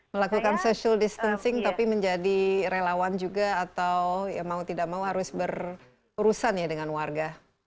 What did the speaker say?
melakukan social distancing tapi menjadi relawan juga atau mau tidak mau harus berurusan ya dengan warga